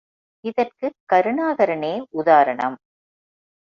இதற்குக் கருணாகரனே உதாரணம்.